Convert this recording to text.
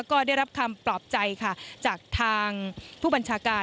ก็ได้รับคำปลอบใจค่ะจากทางผู้บัญชาการ